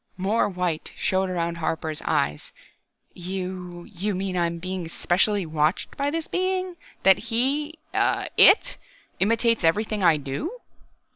More white showed around Harper's eyes. "You you mean I am being specially watched by this Being that He It imitates everything I do...?"